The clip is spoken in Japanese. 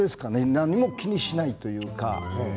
何も気にしないというか。